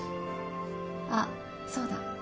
あっそうだ。